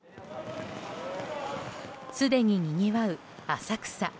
すでににぎわう浅草。